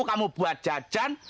kamu buat jajan